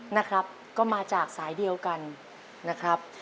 นะครับก็มาจากสายเดียวกันนะครับ